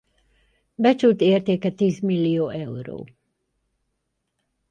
Becsült értéke tízmillió euró.